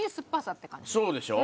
そうでしょ？